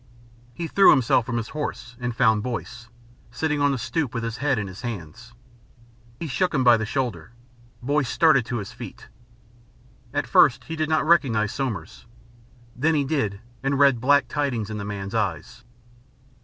He threw himself from his horse and found Boyce, sitting on the stoep with his head in his hands. He shook him by the shoulder. Boyce started to his feet. At first he did not recognise Somers. Then he did and read black tidings in the man's eyes.